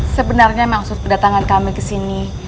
sebenarnya maksud kedatangan kami kesini